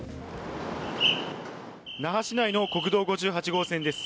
那覇市内の国道５８号線です。